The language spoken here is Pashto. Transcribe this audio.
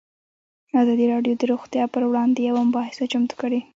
ازادي راډیو د روغتیا پر وړاندې یوه مباحثه چمتو کړې.